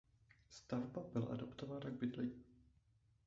Stavba byla adaptována k bydlení.